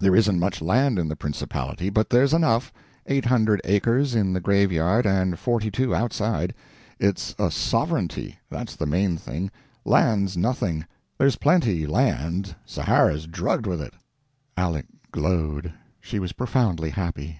There isn't much land in the principality, but there's enough: eight hundred acres in the graveyard and forty two outside. It's a sovereignty that's the main thing; land's nothing. There's plenty land, Sahara's drugged with it." Aleck glowed; she was profoundly happy.